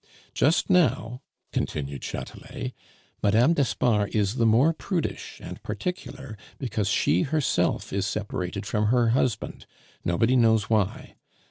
"Just now," continued Chatelet, "Mme. d'Espard is the more prudish and particular because she herself is separated from her husband, nobody knows why.